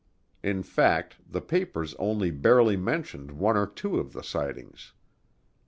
In fact, the papers only barely mentioned one or two of the sightings.